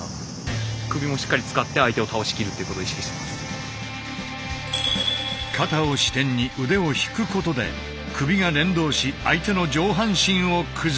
更に肩を支点に腕を引くことで首が連動し相手の上半身を崩す。